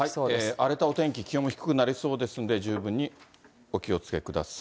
荒れたお天気、気温も低くなりそうですので、十分にお気をつけください。